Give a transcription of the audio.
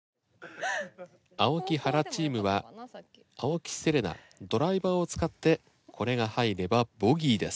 青木・原チームは青木瀬令奈ドライバーを使ってこれが入ればボギーです。